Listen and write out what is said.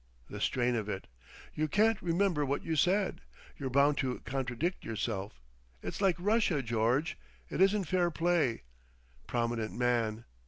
The strain of it. You can't remember what you said. You're bound to contradict yourself. It's like Russia, George.... It isn't fair play.... Prominent man.